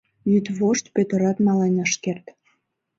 Йӱдвошт Пӧтырат мален ыш керт.